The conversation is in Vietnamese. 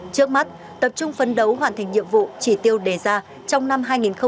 trước mắt tập trung phấn đấu hoàn thành nhiệm vụ chỉ tiêu đề ra trong năm hai nghìn hai mươi